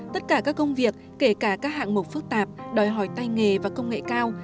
tất cả các công việc kể cả các hạng mục phức tạp đòi hỏi tay nghề và công nghệ cao